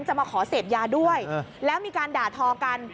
มาขอเสพยาด้วยแล้วมีการด่าทอกัน